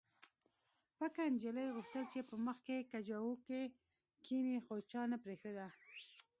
پکه نجلۍ غوښتل چې په مخکې کجاوو کې کښېني خو چا نه پرېښوده